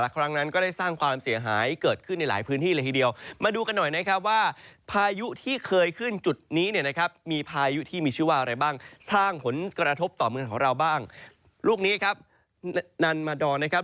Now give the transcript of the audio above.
กระทบต่อเมืองของเราบ้างลูกนี้ครับนันมาดอนนะครับ